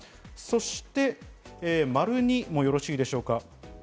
そして２もよろしいでしょうか？